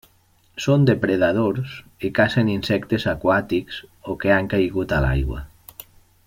Són depredadors i cacen insectes aquàtics o que han caigut a l'aigua.